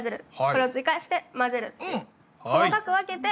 これを追加して混ぜる。